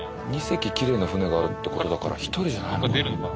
２隻きれいな船があるってことだから一人じゃないのかな。